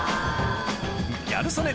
ギャル曽根